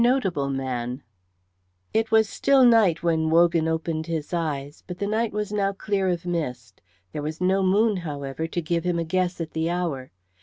CHAPTER VII It was still night when Wogan opened his eyes, but the night was now clear of mist. There was no moon, however, to give him a guess at the hour.